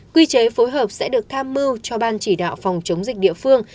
quy chế phối hợp sẽ được tham mưu cho ban chỉ đạo phòng chống dịch địa phương